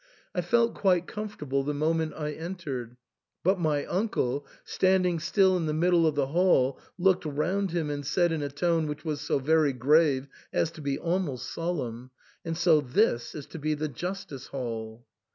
I felt quite comfortable the moment I entered, but my uncle, standing still in the middle of the hall, looked round him and said in a tone which was so very grave as to be almost solemn, "And so this is to be the justice hall